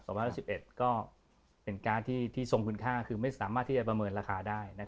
สองพันห้าร้อยสิบเอ็ดก็เป็นการ์ดที่ที่ทรงคุณค่าคือไม่สามารถที่จะประเมินราคาได้นะครับ